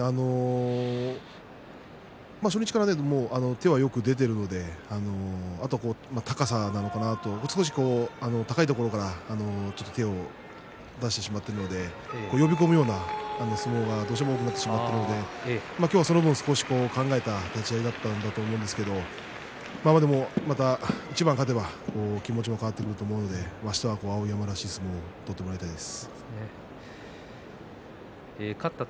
初日から手はよく出ているのであとは高さなのかなともう少し高いところから手を出してしまっているので呼び込むような相撲がどうしても出てしまっているので今日はその分、少し考えた立ち合いだったと思うんですけれどでも、また一番勝てば気持ちも変わってくると思うのであしたは碧山らしい相撲を取ってほしいです。